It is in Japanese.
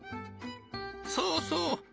そうそう。